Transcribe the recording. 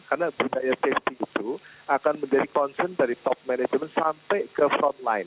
karena budaya safety itu akan menjadi concern dari top management sampai ke front line